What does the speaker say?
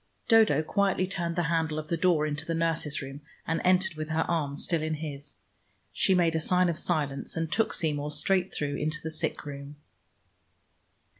Dodo quietly turned the handle of the door into the nurse's room, and entered with her arm still in his. She made a sign of silence, and took Seymour straight through into the sick room.